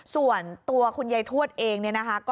ส่วนตัวคุณหยายทวชเองนะฮะ